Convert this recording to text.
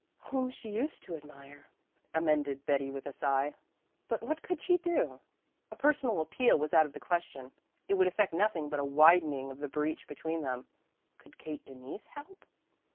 "Whom she used to admire," amended Betty with a sigh. But what could she do? A personal appeal was out of the question; it would effect nothing but a widening of the breach between them. Could Kate Denise help?